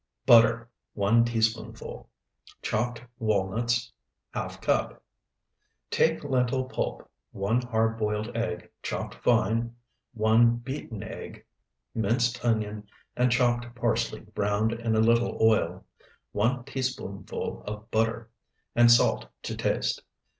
Butter, 1 teaspoonful. Chopped walnuts, ½ cup. Take lentil pulp, one hard boiled egg chopped fine, one beaten egg, minced onion, and chopped parsley browned in a little oil, one teaspoonful of butter, and salt to taste.